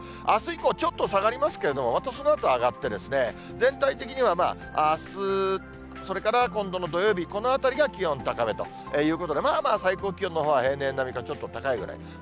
あす以降、ちょっと下がりますけれども、またそのあと上がって、全体的にはまあ、あす、それから今度の土曜日、このあたりが気温高めということで、まあまあ、最高気温のほうは平年並みかちょっと高いぐらい。